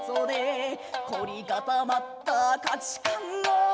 「凝り固まった価値観をば」